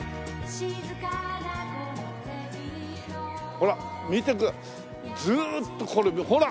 ほら見てずーっとこれほら。